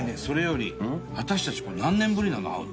それより私たち何年ぶりなの？